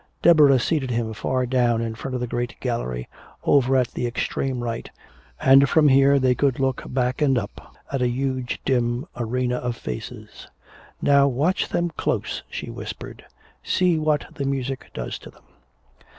Deborah seated him far down in the front of the great gallery, over at the extreme right, and from here they could look back and up at a huge dim arena of faces. "Now watch them close," she whispered. "See what the music does to them."